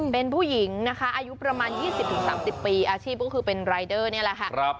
เป็นผู้หญิงนะคะอายุประมาณยี่สิบถึงสามสิบปีอาชีพก็คือเป็นรายเดอร์เนี่ยแหละค่ะ